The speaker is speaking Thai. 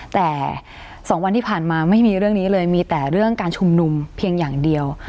แต่๒วันที่ผ่านมาไม่มีเรื่องนี้เลยมีแต่เรื่องการชุมนุมเพียงอย่างเดียว